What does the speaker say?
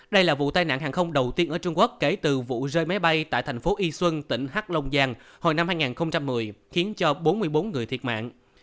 đây là vụ tai nạn hàng không đầu tiên ở trung quốc kể từ vụ rơi máy bay tại thành phố y xuân tỉnh hắc lông giang hồi năm hai nghìn một mươi khiến cho bốn mươi bốn người thiệt mạng